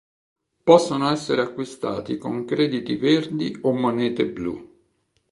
Possono essere acquistati con crediti Verdi o monete Blu.